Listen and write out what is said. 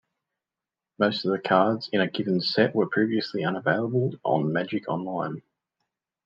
Most of the cards in a given set were previously unavailable on Magic Online.